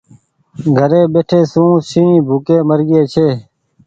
گھري ٻيٺي سون شنهن ڀوُڪي مرگيئي ڇي۔